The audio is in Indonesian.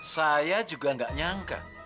saya juga gak nyangka